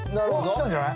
当たりじゃない？